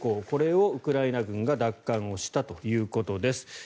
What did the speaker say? これをウクライナ軍が奪還したということです。